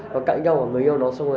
maya là người yêu của quy